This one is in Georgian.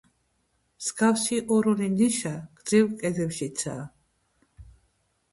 მსგავსი ორ-ორი ნიშა, გრძივ კედლებშიცაა.